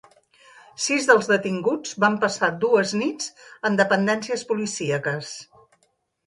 Sis dels detinguts van passar dues nits en dependències policíaques.